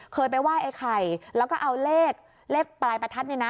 เคยไปไหว้ไข่แล้วก็เอาเลขปลายประทัด